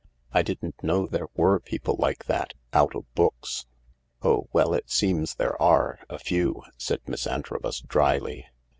" I didn't know there were people like that — out of books." " Oh, well, it seems there are, a few," said Miss Antrobus drily.